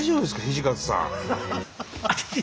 土方さん。